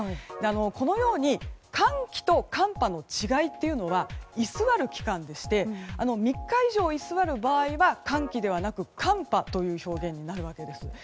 このように寒気と寒波の違いというのは居座る期間でして３日以上居座る場合は寒気ではなく寒波となります。